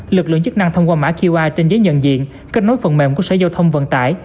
lực lượng chức năng thông qua mã qr trên giấy nhận diện kết nối phần mềm của sở giao thông vận tải